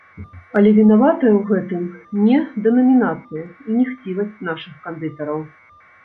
Але вінаватая ў гэтым не дэнамінацыя і не хцівасць нашых кандытараў.